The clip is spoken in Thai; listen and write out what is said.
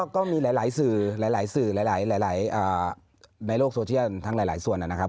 ก็มีหลายสื่อหลายสื่อหลายในโลกโซเชียลทั้งหลายส่วนนะครับ